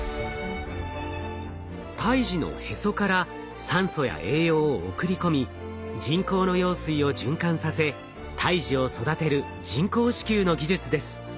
胎児のヘソから酸素や栄養を送り込み人工の羊水を循環させ胎児を育てる人工子宮の技術です。